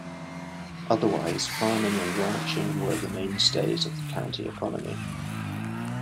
Otherwise, farming and ranching were the mainstays of the county economy.